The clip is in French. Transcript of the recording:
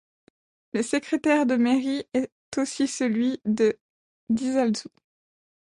Le secrétaire de mairie est aussi celui de d'Izalzu.